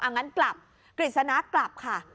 งั้นกลับกฤษณะกลับค่ะ